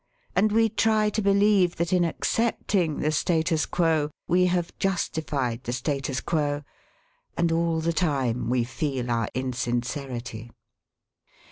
And we try to believe that in accepting the status quo we have justified the status quo, and all the time we feel our insincerity.